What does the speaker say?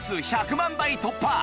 数１００万台突破！